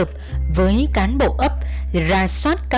cũng gần tới rồi